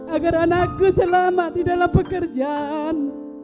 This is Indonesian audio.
agar anakku selamat di dalam pekerjaan